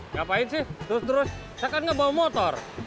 ngapain sih terus terus saya kan ngebawa motor